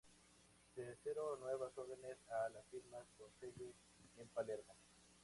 Se hicieron nuevas órdenes a la firma con sede en Palermo.